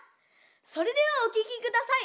それではおききください！